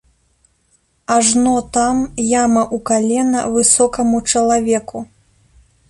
Ажно там яма ў калена высокаму чалавеку.